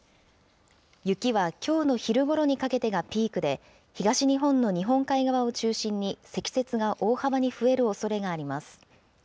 雪はきょうの昼ごろにかけてがピークで、東日本の日本海側を中心に積雪が大幅に増えるおそれがあります。